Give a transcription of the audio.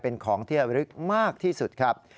เป็นของที่ระลึกมากที่สุดครับ